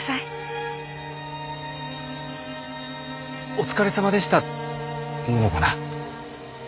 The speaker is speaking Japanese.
「お疲れさまでした」っていうのかな。